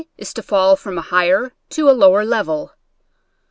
is to fall from a higher to a lower level.